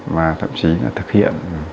và thậm chí là thực hiện